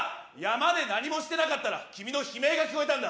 山で何もしてなかったら君の悲鳴が聞こえたんだ